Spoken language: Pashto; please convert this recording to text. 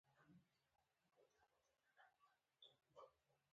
په غوښو یې بل کار نه کېده پرته له دې چې دفن کړل شي.